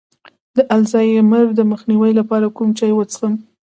د الزایمر د مخنیوي لپاره کوم چای وڅښم؟